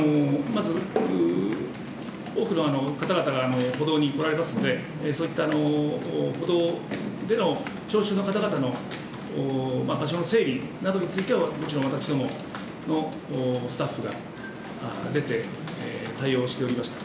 まず、多くの方々が歩道におられますので歩道での聴衆の方々の場所の整理などについてはもちろん私共のスタッフが出て対応しておりました。